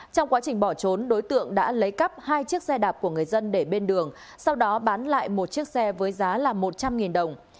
trong quá trình bỏ trốn đối tượng đã lấy cắp hai chiếc xe đạp của người dân để bên đường sau đó bán lại một chiếc xe với giá một trăm linh đồng